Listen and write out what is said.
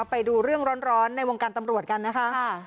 ไปดูเรื่องร้อนในวงการตำรวจกันนะคะ